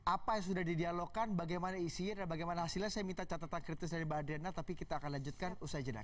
apa yang sudah didialogkan bagaimana isinya dan bagaimana hasilnya saya minta catatan kritis dari mbak adrena tapi kita akan lanjutkan usai jeda